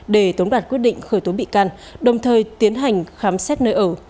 để tống đạt quyết định khởi tố bị can đồng thời tiến hành khám xét nơi ở